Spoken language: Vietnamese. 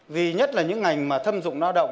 vì nhất là những ngành mà thâm dụng lao động